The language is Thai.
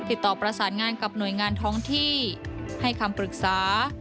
ติดต่อประสานงานกับหน่วยงานท้องที่ให้คำปรึกษา